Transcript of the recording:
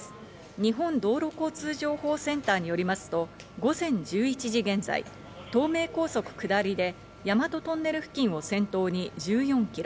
日本道路交通情報センターによりますと、午前１１時現在、東名高速下りで大和トンネル付近を先頭に１４キロ。